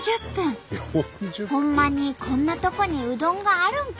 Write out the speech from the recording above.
ほんまにこんなとこにうどんがあるんか？